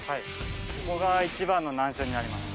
ここが一番の難所になります。